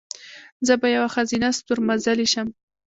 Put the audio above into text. زه به یوه ښځینه ستورمزلې شم."